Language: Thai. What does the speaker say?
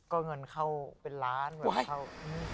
ก็เงินเข้าเป็นล้านเงินเข้า